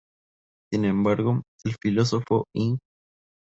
Sin embargo, el filósofo-Ing.